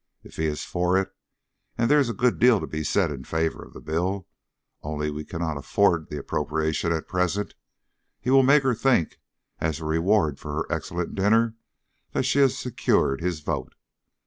If he is for it and there is a good deal to be said in favour of the bill, only we cannot afford the appropriation at present he will make her think, as a reward for her excellent dinner, that she has secured his vote.